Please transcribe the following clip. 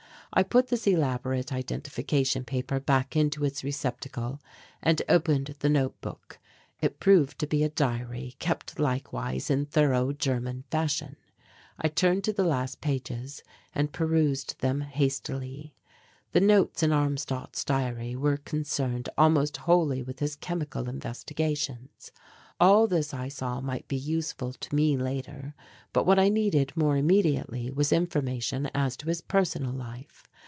I put this elaborate identification paper back into its receptacle and opened the notebook. It proved to be a diary kept likewise in thorough German fashion. I turned to the last pages and perused them hastily. The notes in Armstadt's diary were concerned almost wholly with his chemical investigations. All this I saw might be useful to me later but what I needed more immediately was information as to his personal life.